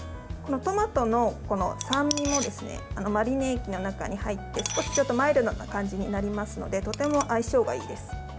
トマトの酸味もマリネ液の中に入って少しマイルドな感じになりますのでとても相性がいいです。